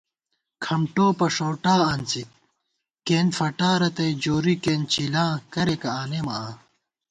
کھمٹوپہ ݭؤٹا آنڅِک، کېئینت فٹا رتئ جوری کېنچِلاں کریَکہ آنېمہ آں